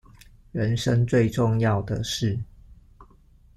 人生最重要的事